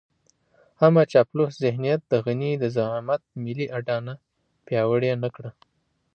اما چاپلوس ذهنيت د غني د زعامت ملي اډانه پياوړې نه کړه.